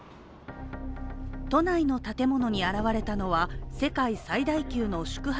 都内の建物に現れたのは世界最大級の宿泊